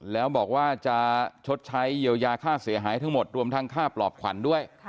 แล้วบอกว่าจะชดใช้เยียวยาค่าเสียหายทั้งหมดรวมทั้งค่าปลอบขวัญด้วย